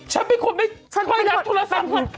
ฉันเป็นคนไม่ค่อยรับโทรศัพท์คุณ